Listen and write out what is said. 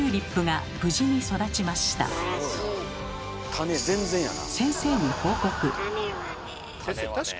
種全然やな。